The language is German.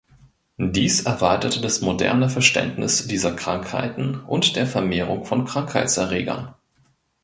Dies erweiterte das moderne Verständnis dieser Krankheiten und der Vermehrung von Krankheitserregern.